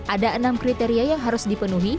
ada enam kriteria yang harus dipenuhi